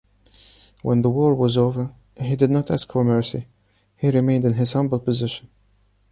When the war was over he did not ask for mercy, he remained in his humble position.